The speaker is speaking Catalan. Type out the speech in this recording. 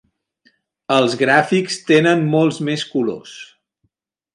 Els gràfics tenen molts més colors.